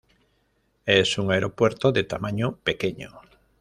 Es un aeropuerto de tamaño pequeño.